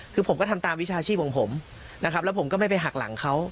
คือผมก็ทำตามวิชาชีพของผมนะครับแล้วผมก็ไม่ไปหักหลังเขา